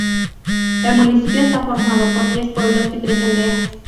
El municipio está formado por diez pueblos y tres aldeas.